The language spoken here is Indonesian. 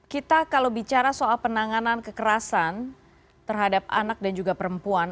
kita kalau bicara soal penanganan kekerasan terhadap anak dan juga perempuan